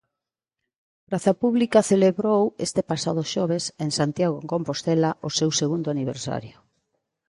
Praza Pública celebrou este pasado xoves en Santiago de Compostela o seu segundo aniversario.